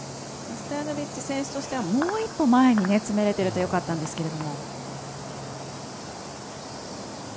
ストヤノビッチ選手としてはもう一本前に詰めれているとよかったんですけど。